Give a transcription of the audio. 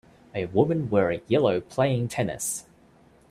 a woman wearing yellow playing tennis